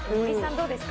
どうですか？